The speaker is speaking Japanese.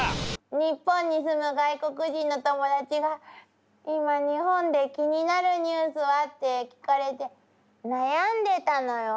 日本に住む外国人の友達が「今日本で気になるニュースは？」って聞かれて悩んでたのよ。